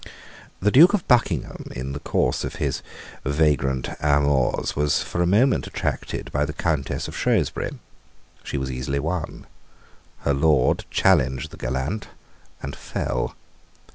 The Duke of Buckingham in the course of his vagrant amours was for a moment attracted by the Countess of Shrewsbury. She was easily won. Her lord challenged the gallant, and fell.